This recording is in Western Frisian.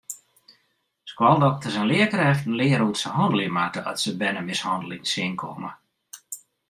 Skoaldokters en learkrêften leare hoe't se hannelje moatte at se bernemishanneling tsjinkomme.